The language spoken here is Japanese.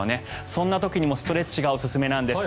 そんな時にもストレッチがおすすめなんです。